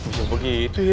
bisa begitu ya